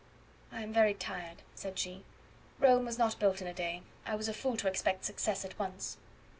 "I am very tired," said she; "Rome was not built in a day. I was a fool to expect success at once."